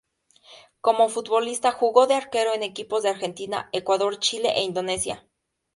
Como futbolista jugó de arquero en equipos de Argentina, Ecuador, Chile e Indonesia.